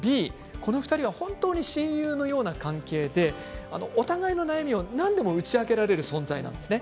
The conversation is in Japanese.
この２人は本当に親友のような関係でお互いの悩みを何でも打ち明けられる存在なんですね。